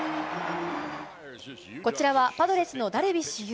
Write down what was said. こちらはパドレスのダルビッシュ有。